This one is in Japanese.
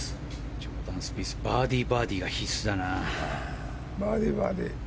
ジョーダン・スピースバーディー、バーディーは必須だな。